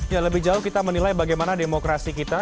ya lebih jauh kita menilai bagaimana demokrasi kita